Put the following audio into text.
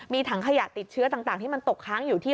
มีถังขยะติดเชื้อต่างที่มันตกค้างอยู่ที่